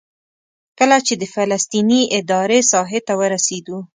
کله چې د فلسطیني ادارې ساحې ته ورسېدو.